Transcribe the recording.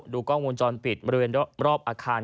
กล้องวงจรปิดบริเวณรอบอาคาร